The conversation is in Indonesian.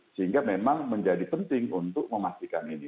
sehingga memang menjadi penting untuk memastikan ini